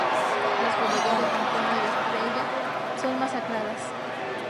Las juderías de Pamplona y de Estella son masacradas.